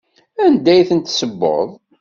Anda i tent-tessewweḍ?